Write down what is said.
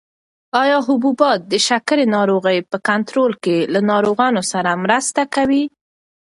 ایا حبوبات د شکرې ناروغۍ په کنټرول کې له ناروغانو سره مرسته کولای شي؟